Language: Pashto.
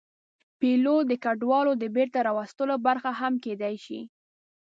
پیلوټ د کډوالو د بېرته راوستلو برخه هم کېدی شي.